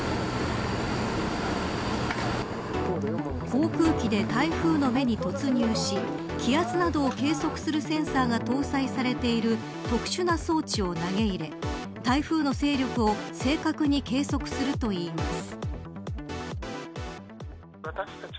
航空機で台風の目に突入し気圧などを計測するセンサーが搭載されている特殊な装置を投げ入れ台風の勢力を正確に計測するといいます。